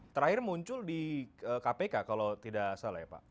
terakhir muncul di kpk kalau tidak salah ya pak